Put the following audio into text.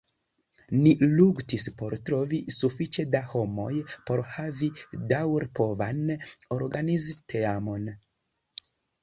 Ni luktis por trovi sufiĉe da homoj por havi daŭripovan organizteamon.